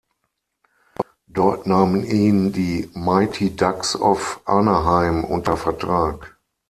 Dort nahmen ihn die Mighty Ducks of Anaheim unter Vertrag.